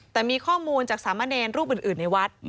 แต่มีข้อมูลจากสามเณรรูปอื่นในวัด